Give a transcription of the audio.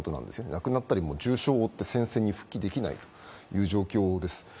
亡くなったり重傷を負って戦線に復帰できないという状況です。